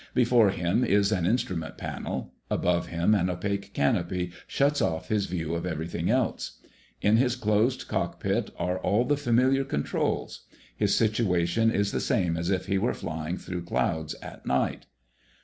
Before him is an instrument panel. Above him an opaque canopy shuts off his view of everything else. In his closed cockpit are all the familiar controls. His situation is the same as if he were flying through clouds at night.